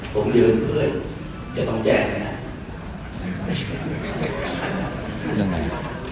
ผมยืนเผื่อจะต้องแจ้งไหมครับ